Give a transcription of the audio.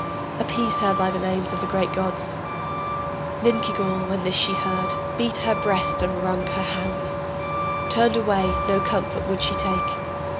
Appease her by the names of the great gods ... Ninkigal, when this she heard, Beat her breast and wrung her hands, Turned away, no comfort would she take.